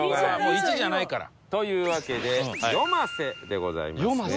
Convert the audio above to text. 「１」じゃないから。というわけで夜間瀬でございますね。